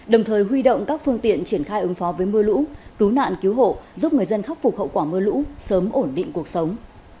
đồng thời huy động các phương tiện triển khai ứng phó với mưa lũ cứu nạn cứu hộ giúp người dân khắc phục hậu quả mưa lũ sớm ổn định cuộc sống